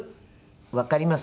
わかります？